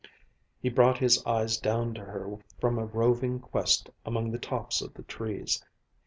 He brought his eyes down to her from a roving quest among the tops of the trees.